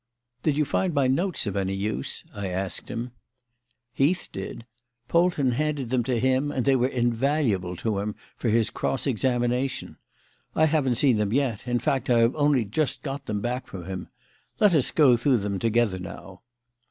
"Did you find my notes of any use?" I asked. "Heath did. Polton handed them to him, and they were invaluable to him for his cross examination. I haven't seen them yet; in fact, I have only just got them back from him. Let us go through them together now."